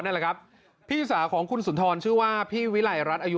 นั่นแหละครับพี่สาวของคุณสุนทรชื่อว่าพี่วิไลรัฐอายุ